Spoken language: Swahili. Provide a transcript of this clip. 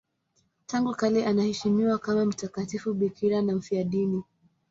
Tangu kale anaheshimiwa kama mtakatifu bikira na mfiadini.